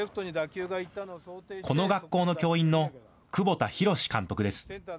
この学校の教員の久保田浩司監督です。